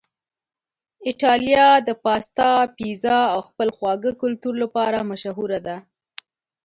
ایتالیا د پاستا، پیزا او خپل خواږه کلتور لپاره مشهوره ده.